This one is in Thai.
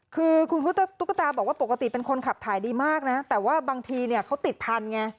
คือคุณตุ๊กตาบอกว่าปกติเป็นคนขับถ่ายดีมากนะแต่ว่าบางทีเนี่ยเขาติดพันธุ์ไง